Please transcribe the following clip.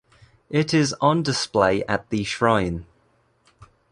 It is on display at the shrine.